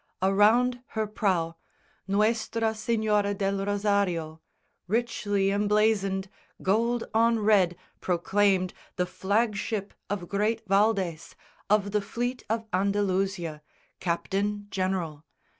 Around her prow, Nuestra Señora del Rosario, Richly emblazoned, gold on red, proclaimed The flagship of great Valdes, of the fleet Of Andalusia, captain general.